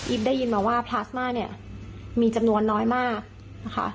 ได้ยินมาว่าพลาสมาเนี่ยมีจำนวนน้อยมากนะคะ